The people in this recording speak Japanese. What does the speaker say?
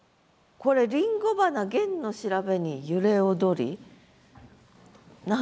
これ「りんご花弦の調べに揺れ踊り」。